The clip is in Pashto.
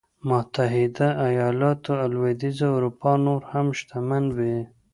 متحده ایالت او لوېدیځه اروپا نور هم شتمن وي.